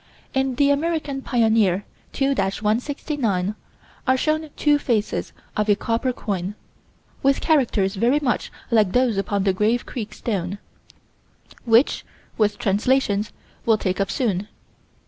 In the American Pioneer, 2 169, are shown two faces of a copper coin, with characters very much like those upon the Grave Creek stone which, with translations, we'll take up soon.